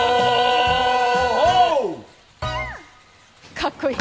かっこいい。